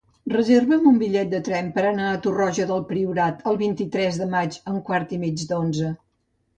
Reserva'm un bitllet de tren per anar a Torroja del Priorat el vint-i-tres de maig a un quart i mig d'onze.